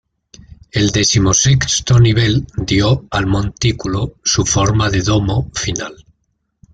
El decimosexto nivel dio al montículo su forma de domo final.